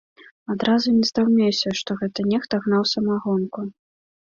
Адразу не здаўмеўся, што гэта нехта гнаў самагонку.